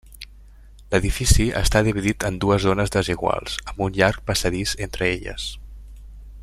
L'edifici està dividit en dues zones desiguals, amb un llarg passadís entre elles.